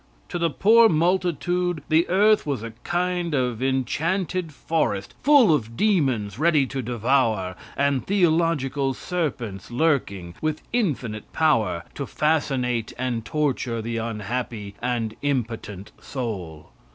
To the poor multitude the earth was a kind of enchanted forest, full of demons ready to devour, and theological serpents lurking, with infinite power, to fascinate and torture the unhappy and impotent soul.